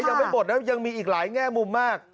ยังไม่หมดนะยังมีอีกหลายแง่มุมมาก